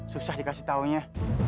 susah dikasih taunya